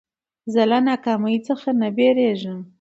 زه له ناکامۍ څخه نه بېرېږم.